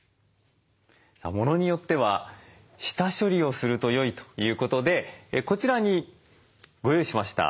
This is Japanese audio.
ものによっては下処理をするとよいということでこちらにご用意しました。